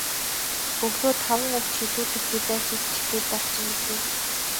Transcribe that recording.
Өглөө таван үг ч хэлүүлэхгүй барьж идчих гээд байх чинь билээ.